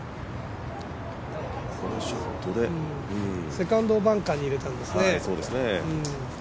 セカンドをバンカーに入れたんですね。